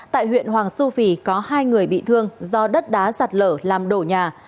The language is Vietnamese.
tại huyện hoàng su phi có hai người bị thương do đất đá sạt lở làm đổ nhà